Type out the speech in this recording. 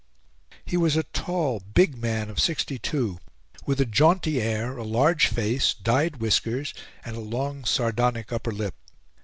He was a tall, big man of sixty two, with a jaunty air, a large face, dyed whiskers, and a long sardonic upper lip.